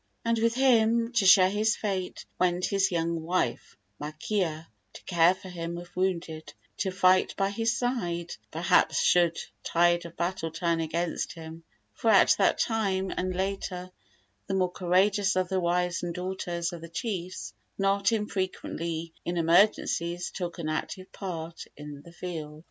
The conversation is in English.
And with him, to share his fate, went his young wife, Makea, to care for him if wounded, to fight by his side, perhaps, should the tide of battle turn against him; for at that time, and later, the more courageous of the wives and daughters of the chiefs not unfrequently, in emergencies, took an active part in the field.